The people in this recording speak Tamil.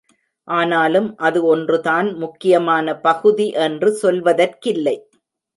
ஆனாலும் அது ஒன்று தான் முக்கியமான பகுதி என்று சொல்வதற்கில்லை.